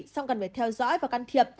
xong cần phải theo dõi và can thiệp